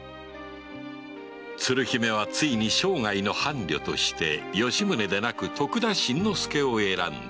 鶴姫はついに生涯の伴侶として吉宗でなく徳田新之助を選んだ